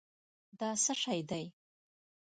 دا څه شی دی؟